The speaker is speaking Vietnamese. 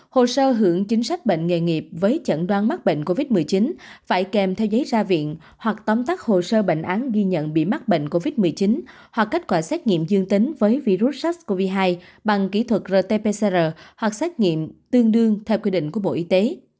hồ sơ hưởng chính sách bệnh nghề nghiệp với chẩn đoán mắc bệnh covid một mươi chín phải kèm theo giấy ra viện hoặc tóm tắt hồ sơ bệnh án ghi nhận bị mắc bệnh covid một mươi chín hoặc kết quả xét nghiệm dương tính với virus sars cov hai bằng kỹ thuật rt pcr hoặc xét nghiệm tương đương theo quy định của bộ y tế